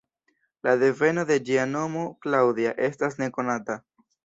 La deveno de ĝia nomo, ""Claudia"", estas nekonata.